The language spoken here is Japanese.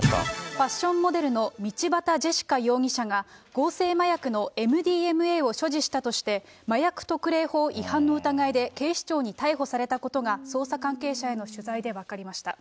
ファッションモデルの道端ジェシカ容疑者が、合成麻薬のＭＤＭＡを所持したとして、麻薬特例法違反の疑いで警視庁に逮捕されたことが、捜査関係者への取材で分かりました。